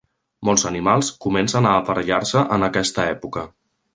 Molts animals comencen a aparellar-se en aquesta època.